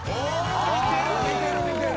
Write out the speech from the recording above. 似てる似てる。